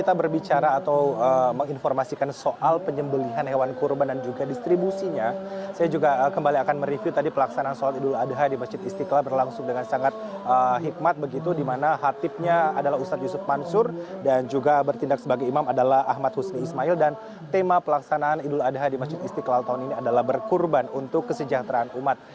tema pelaksanaan idul adha di masjid isikla tahun ini adalah berkurban untuk kesejahteraan umat